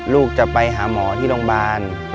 ลูกจะไปหาหมอที่โรงพยาบาล